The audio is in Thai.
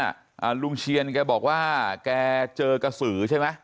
อ่าลุงเชียนแกบอกว่าแกเจอกระสือใช่ไหม